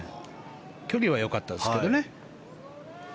距離はよかったですけどね。